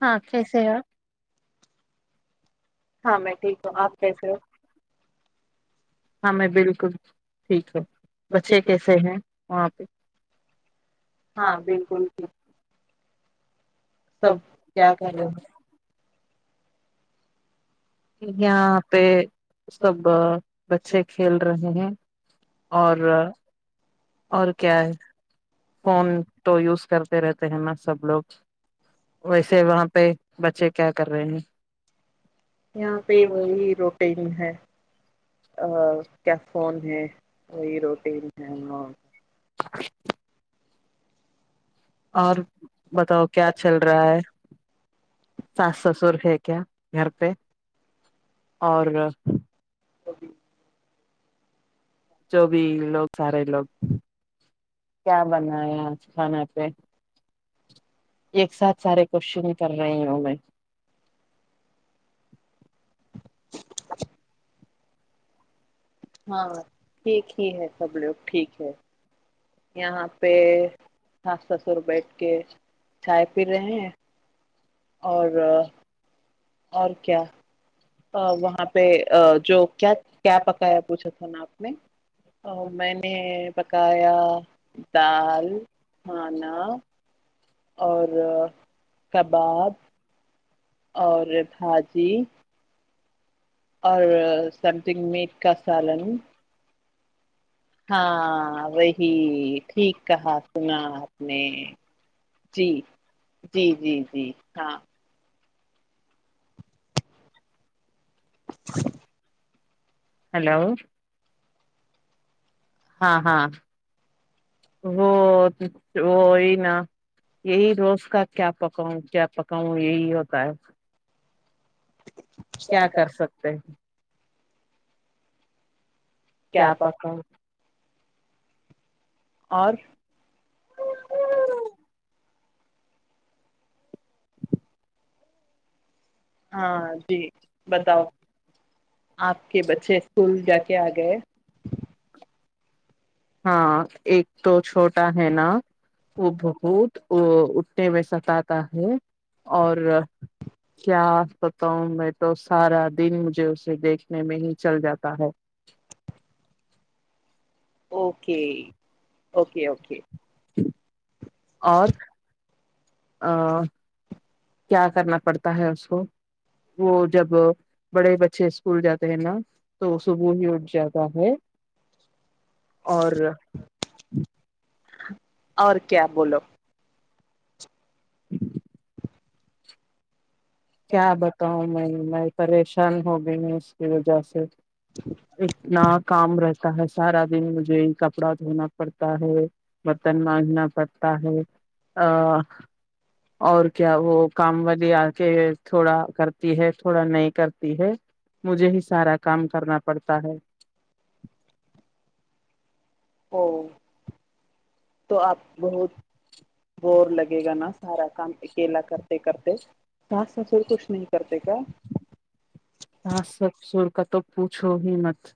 ہاں کیسے ہے ہاں میں ٹھیک آپ کیسے ہاں میں بالکل ٹھیک ہے بچے کیسے ہیں ہاں ہاں بالکل ٹھیک سب کیا کر کرے رہے ہو ہیں یہاں پہ سب بچے کھیل رہے ہیں اور اور کیا ہے فون تو یوز کرتے رہتے ہیں نا سب لوگ ویسے وہاں پہ بچے کیا کر رہے ہیں یہاں پہ وہی روٹن ہے کیفون ہے وہی روٹین ہے ہاں [inaudible] اور بتاؤ کیا چل رہا ہے ساس سسر تھے کیا گھر پہ اور [inaudible] جو بھی لوگ سارے لوگ کیا بنایا کھانا پہ ایک ساتھ سارے کوشچن کر رہی ہوں میں ہاں ٹھیک ہی ہے سب لوگ ٹھیک ہے یہاں پہ ساس سسر بیٹھ کے چھائے پی رہے ہیں اور اور کیا وہاں پہ جو کیا کیا پکایا پوچھا تھا نا آپ میں میں نے کا یہ دال آانہ اور کباب اور ہاں جی اور سم تھنگ میٹ کا سالن ہاں وہی ٹھیک کہا سنا آپ نے جی جی جی جی ہاں [inaudible] ہلو ہاں ہاں وہ وہی نا یہی روز کا کیا پکاؤں کیا پکاؤں یہی ہوتا ہے کیا کر سکتے ہیں کیا چاہ پک پکا اور ہاں جی بتاؤ آپ کے بچے اسکول جا کے آ گئے ہاں ایک تو چھوٹا ہے نا وہ بہت ا اٹھنے میں ستا ہے اور کیا بتا ہوں میں تو سارا دن مجھے اسے دیکھنے میں ہی چل جاتا ہے اوکے اوکے اوکے اور ا کیا کرنا پڑتا ہے اس کو وہ جب بڑے بچے اسکول جاتے ہیں نا تو صبح ہی اٹھ جاتا ہے اور اور کیا بولو کیا بتاؤ میں میں پریشان ہو گئی ہوں اس کی وجہ سے [unintelligible] ایکنا [inaudible] کام رہتا ہے سارا دن مجھے کپڑا دھونا پڑتا ہے برتن ماندھنا پڑتا ہے ا اور کیا وہ کام والی آ کے [unintelligible] تھوڑا کرتی ہے تھوڑا نہیں کرتی ہے مجھے ہی سارا کام کرنا پڑتا ہے [unintelligible] او [inaudible] تو آپ بہت بور لگے گا نا سارا کام [unintelligible] لا کرتے کرتے سس نہ سر کوش نہیں کرتے کا [unintelligible] ساس سسر کا تو پوچھو ہی مت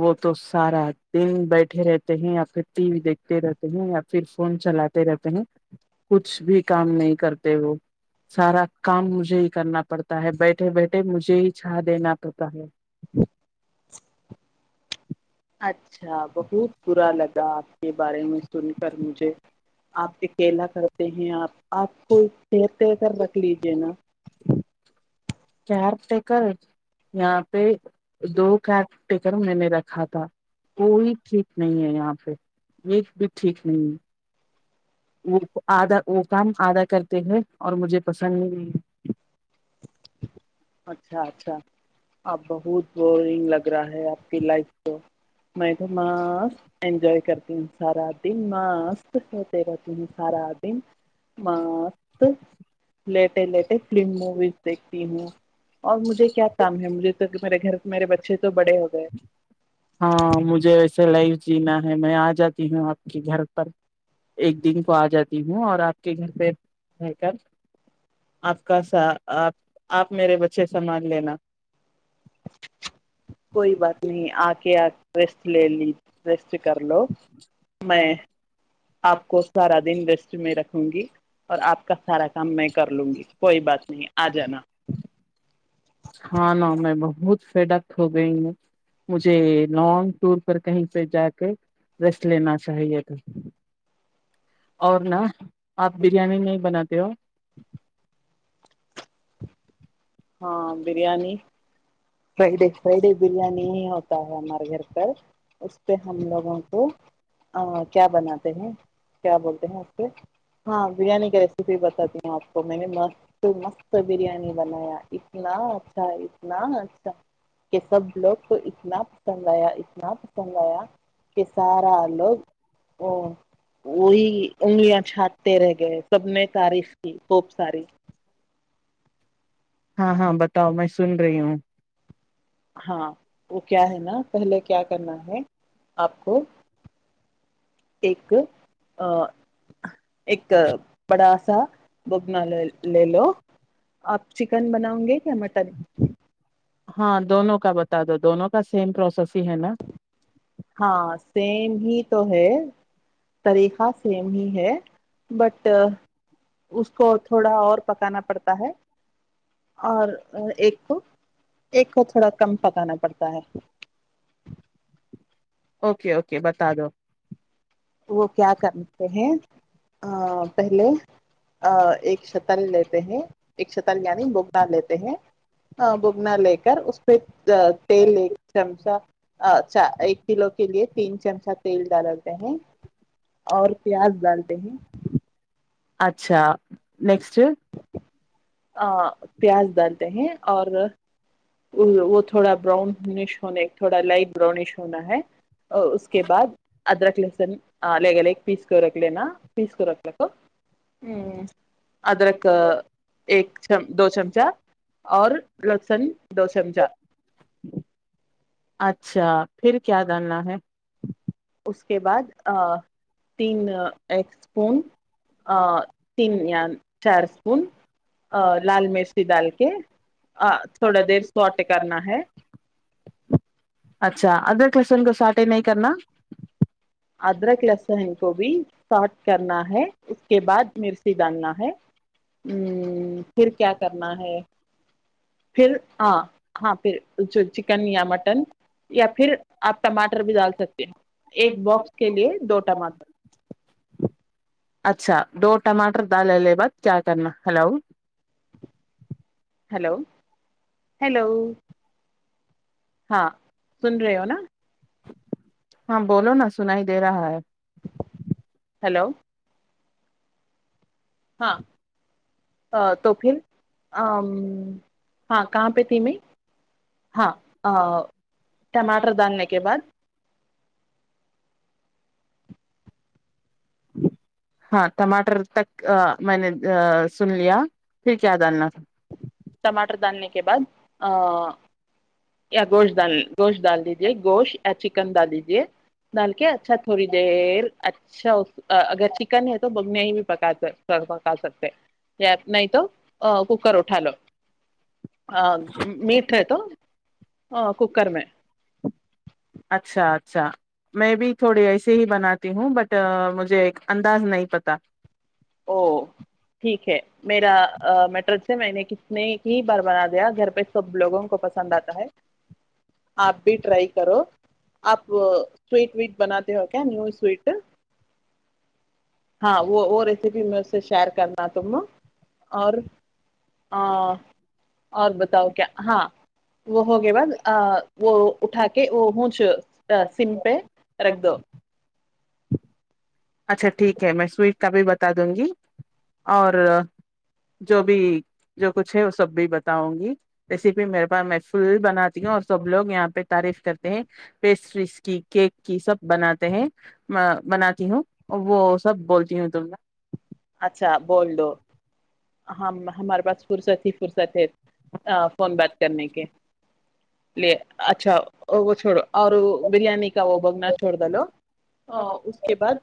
وہ تو سارا دن بیٹھے رہتے ہیں یا پھر ٹی وی دیکھتے رہتے ہیں یا پھر فون چلاتے رہتے ہیں کچھ بھی کام نہیں کرتے وہ سارا کام مجھے ہی کرنا پڑتا ہے بیٹھے بیٹھے مجھے ہی [unintelligible] اھا دینا پتا ہے [unintelligible] [inaudible] اچھا [inaudible] اچھا بہت برا لگا آپ کے بارے میں سن کر مجھے آپ اکیلا کرتے ہیں آپ آپ کو تتے کر رکھ لیجیے نا [unintelligible] چار کر یہاں پہ دو کٹ کر میں نے رکھا تھا وہی ٹھیک نہیں ہے یہاں پہ یہ بھی ٹھیک نہیں ہے وہ آدا وہ کام آدا کرتے ہیں اور مجھے پسند نہیں اچھا اچھا اب بہت بورنگ لگ رہا ہے آپ کی لائف کو میں م انجوائے کرتا سارا دن مست ہوتے رہ ت سارا دن مس ے فلم مووی دیکھتی ہوں اور مجھے کیا کام ہے مجھے تو میرے گھر میرے بچے تو بڑے ہو گئے ہاں مجھے ویسے لائو جینا ہے میں آ جاتی ہوں آپ کے گھر پر ایک دن کو آ جاتی ہوں اور آپ کے گھر پہ رہ کر آپ کا سا آپ آپ میرے بچے سامان لینا کوئی بات نہیں آ کے آ ریسٹ لے لی رس کر لو میں آپ کو سارا دن ریسٹ میں رکھ ہوں گی اور آپ کا سارا س میں کر لوں گی کوئی بات نہیں ہے آ جانا ہاں نہ میں بہت فڈک ہو گئی ہوں مجھے لانگ ٹور پر کہیں پہ جا کے ریسٹ لینا چاہیے تھا اور نا آپ بریانی نہیں بناتے ہو ہاں بریانی فرائیڈے فرائیڈے بریانی ہی ہوتا ہے ہمارے گھر پر اس پہ ہم لوگوں کو کیا بناتے ہیں کیا بولتے ہیں اسہ ہاں بریانی کا ریسیپی بتاتی ہوں آپ کو میں نے مست مست بریانی بنایا اتنا اچھا اتنا اچھا کہ سب لوگ کو اتنا پسند آیا اتنا پسند آیا کہ سارا لوگ ا وہی انگلیاں چھانٹتے رہ گئے سب نے تاریخ کی خوب ساری ہاں ہاں بتاؤ میں سن رہی ہوں ہاں وہ کیا ہے نا پہلے کیا کرنا ہے آپ کو ایک ا ایک بڑا سا بگنا لے لے لو آپ چکن بناؤ گے کیا مٹن ہاں دونوں کا بتا دو دونوں کا سیم پروسیس ہی ہے نا ہاں سیم ہی تو ہے طریقہ سیم ہی ہے بٹ اس کو تھوڑا اور پکانا پڑتا ہے اور ایک کو ایک کو تھوڑا کم پکانا پڑتا ہے اوکے اوکے بتا دو وہ کیا کرتے ہیں پہلے ایک شتل لیتے ہیں ایک شتر یعنی بگنا لیتے ہیں بگنا لے کے اس پہ تیل ایک چمچا ایک کلو کے لیے تین چمچا تیل ڈالتے ہیں اور پیاز ڈالتے ہیں اچھا نیکسٹ پیاز ڈالتے ہیں اور وہ تھوڑا براؤنش ہونے تھوڑا لائٹ براؤونش ہونا ہے اور اس کے بعد ادرک لہسن الگ الگ پیس کرک ل نا [inaudible] پیس کوورک لک ہ ادرک ایک چم دو چمچہ اور لسن دو چمچہ نا ہے [inaudible] اس کے بعد تین ایک اسپون تین چار اسپون لال مرچی ڈال کے تھوڑا دیر سوٹ کرنا ہے اچھا ادر کشن کو سارٹے نہیں کرنا ادرک لسن کو بھی ساٹ کرنا ہے اس کے بعد مرسی دانا ہے ہوں پھر کیا کرنا ہے پھر ہ ہاں پھر چکن یا مٹن یا پھر آپ ٹماٹر بھی ڈال سکتے ہیں ایک باکس کے لیے دو ٹماٹر اچھا دو ٹماٹر ڈالے بعد کیا کرنا ہلو ہلو [inaudible] ہیلو [inaudible] ہاں سن رہ ہو ن ہاں بولو نا سن ہی دے رہا ہے ہلو ہاں ا توفین ہاں کہاں پہ تھی میں ہاں ٹماٹر ڈالنے ہے کے بعد ہاں ٹماٹر تک میں نے سن لیا پھر کیا جاننا تھا ٹماٹر ڈالنے کے بعد یا گوشت ڈال گوشت ڈال دیجے یہ گوش آچ چکن ڈال دیجے ڈال کے اچھا تھوڑی دیر اچھا اگر چکن ہے تو بم نہیں بھی پکا پکا سکتے یا نہیں تو کوکر اٹھا لو ہاں میٹ ہے تو ہاں ککر میں اچھا اچھا میں بھی تھوڑی ایسے ہی بناتی ہوں بٹ مجھے ایک انداز نہیں پتا او ٹھیک ہے میرا میٹر ہے میں نے کت نے ہی بار بنا دیا گھر پہ سب لوگوں کو پسند آتا ہے آپ بھی ٹرائی کرو آپ سویٹ ویٹ بناتے ہو کیا نیو سوٹ ہاں وہ پھر بھی میں اسے شیئر کرنا تم اور ہاں اور بس بتاؤ کیا ہاں وہ ہوگے بس وہ اٹھا کے وہ ہ سمپے رکھدو اچھا ٹھیک ہے میں سویٹ کا بھی بتا دوں گی اور جو بھی جو کچھ ہے وہ سب بھی بتاؤں گی ریسیپی میرے پاس میں فل بناتی ہیں اور سب لوگ یہاں پہ پہ تعریف کرتے ہیں پیسٹریز کی کیک کی سب بناتے ہیں بناتی ہوں وہ سب بولتی ہے اچھا بول دو ہم ہمارے پاس فرصت ہی فرصت ہے فون بات کرنے کے لے اچھا چھڑو اور بریانی کا وہ بگنا چھوڑ د لو اس کے بعد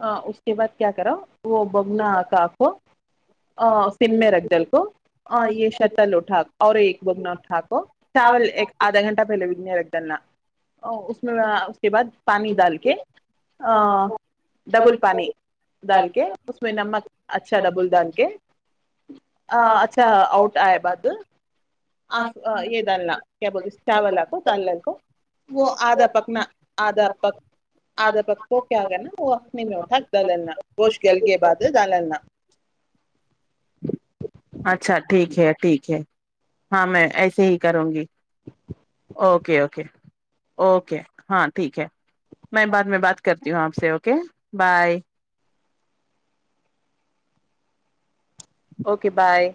ہاں اس کے بعد کیا کرا وہ بگنا کاخو ہ سم میں رکھ جل کو ہ یہ شتل اٹھا اور ایک جگ نھ ٹھاکر چاول ایک آدھ گھٹے پہلے ودیا رکھ ڈالنا اس میں اس کے بعد پانی ڈال کے ڈبل پانی ڈال کے اس میں نمک اچھا ڈبل ڈال کے اچھا آؤٹ آئے بعد آف یہ ڈالنا کیا بولتے چاولا کو تالل کو وہ آدھا پکنا آدھا پک آدھا پک کو کیا کر نا اوٹک دالنا پوش کےل کے بعاد جالنا اچھا ٹھیک ہے ٹھیک ہے ہاں میں ایسے ہی کروں گی اوکے اوکے اوکے ہاں ٹھیک ہے میں بعد میں بات کرتی ہوں آپ سے اوکے بائے اوکے بائے